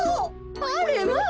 あれまあ！